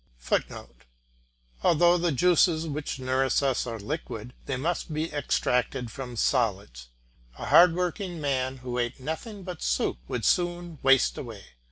[Footnote: Although the juices which nourish us are liquid, they must be extracted from solids. A hard working man who ate nothing but soup would soon waste away.